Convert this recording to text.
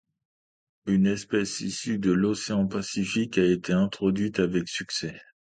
Une espèce issue de l'Océan Pacifique a été introduite avec succès.